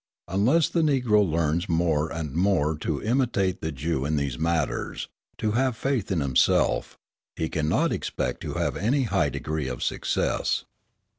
Unless the Negro learns more and more to imitate the Jew in these matters, to have faith in himself, he cannot expect to have any high degree of success.